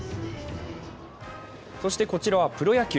そしてこちらはプロ野球。